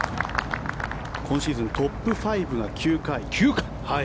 今シーズントップ５が９回。